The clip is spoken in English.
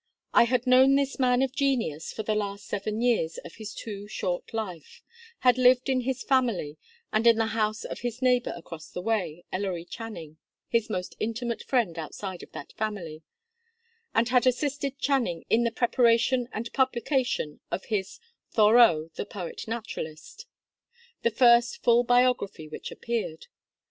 I had known this man of genius for the last seven years of his too short life; had lived in his family, and in the house of his neighbor across the way, Ellery Channing, his most intimate friend outside of that family; and had assisted Channing in the preparation and publication of his "Thoreau, the Poet Naturalist," the first full biography which appeared.